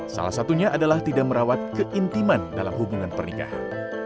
salah satunya adalah tidak merawat keintiman dalam hubungan pernikahan